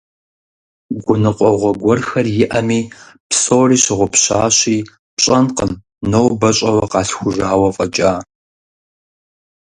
Гуныкъуэгъуэ гуэрхэр иӀэми, псори щыгъупщащи, пщӀэнкъым нобэ щӀэуэ къалъхужауэ фӀэкӀа.